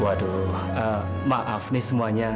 waduh maaf nih semuanya